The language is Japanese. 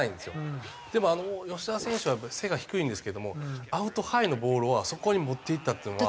でも吉田選手は背が低いんですけどもアウトハイのボールをあそこに持っていったっていうのは。